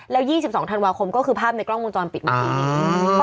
แล้ว๒๒ธันวาคมก็คือภาพในกล้องมูลจอมปิดมาที